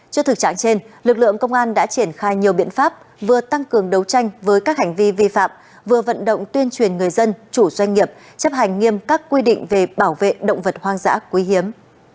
trước thực trạng trên lực lượng công an đã triển khai nhiều biện pháp vừa tăng cường đấu tranh với các hành vi vi phạm vừa vận động tuyên truyền người dân chủ doanh nghiệp chấp hành nghiêm các quy định về bảo vệ động vật hoang dã quý hiếm